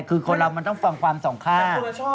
คือคนเรามันต้องฟังความสองข้าง